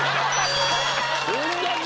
おんなじ。